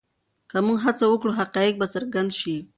که موږ هڅه وکړو حقایق به څرګند شي.